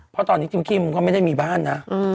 เพราะตอนนี้จิ้มก็ไม่ได้มีบ้านนะ